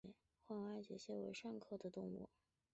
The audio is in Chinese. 花纹爱洁蟹为扇蟹科熟若蟹亚科爱洁蟹属的动物。